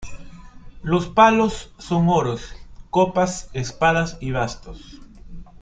Los palos son oros, copas, espadas y bastos.